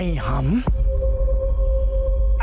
ไอ้หำ